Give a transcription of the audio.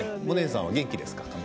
萌音さんは元気ですか？